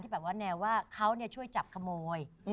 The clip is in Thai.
แบบว่าแนวว่าเขาช่วยจับขโมย